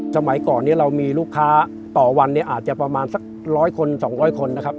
สมัยก่อนเรามีลูกค้าต่อวันนี่อาจจะประมาณสัก๑๐๐๒๐๐คน